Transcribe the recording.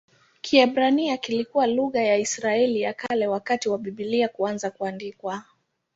Kiebrania kilikuwa lugha ya Israeli ya Kale wakati wa Biblia kuanza kuandikwa.